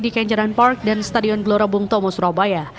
di kenjeran park dan stadion gelora bung tomo surabaya